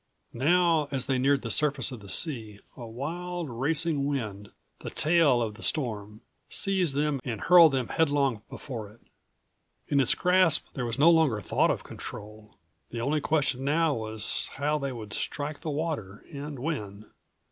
Now, as they neared the surface of the sea, a wild, racing wind, the tail of the storm, seized them and hurled them headlong before it. In its grasp, there was no longer thought of control. The only question now was how they would strike the water and when.